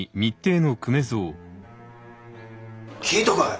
聞いたかい？